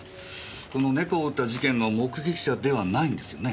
この猫を撃った事件の目撃者ではないんですよね？